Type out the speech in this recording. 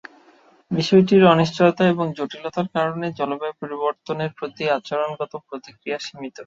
বিষয়টির অনিশ্চয়তা এবং জটিলতার কারণে জলবায়ু পরিবর্তনের প্রতি আচরণগত প্রতিক্রিয়া সীমিত।